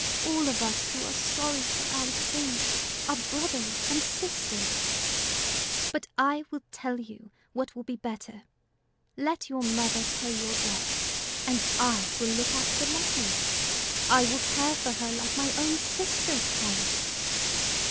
All of us who are sorry for our sins are brothers and sisters." "O Mary!" said Tom. "But I will tell you what will be better: let your mother pay your debts, and I will look after Letty. I will care for her like my own sister, Tom."